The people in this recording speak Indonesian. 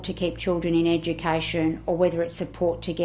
apakah penyempatan untuk menjaga anak anak dalam pendidikan